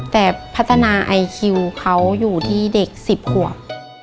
แต่พัฒนาไอคิวเขาอยู่ที่เด็ก๑๐ขวบ